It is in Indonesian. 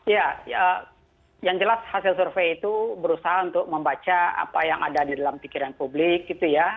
ya yang jelas hasil survei itu berusaha untuk membaca apa yang ada di dalam pikiran publik gitu ya